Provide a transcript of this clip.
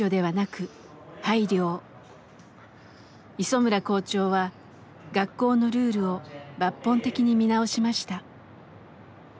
磯村校長は学校のルールを抜本的に見直しました。